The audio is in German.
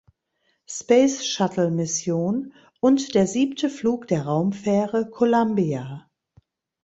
Space-Shuttle-Mission und der siebte Flug der Raumfähre Columbia.